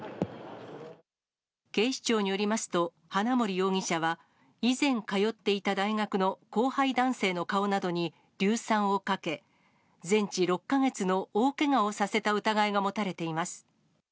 警視庁によりますと、花森容疑者は、以前、通っていた大学の後輩男性の顔などに、硫酸をかけ、全治６か月の大けがをさせた疑いが持たれています。